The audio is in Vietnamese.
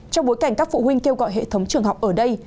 trong bối cảnh các phụ huynh kêu gọi hệ thống trường học ở đây